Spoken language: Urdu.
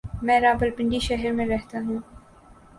میں راولپنڈی شہر میں رہتا ہوں۔